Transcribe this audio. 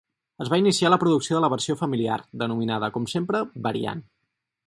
Es va iniciar la producció de la versió familiar, denominada, com sempre, Variant.